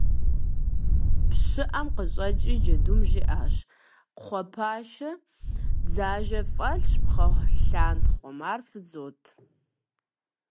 Пщыӏэм къыщӏэкӏри, джэдум жиӏащ: - Кхъуэпӏащэ дзажэ фӏэлъщ пхъэлъантхъуэм, ар фызот.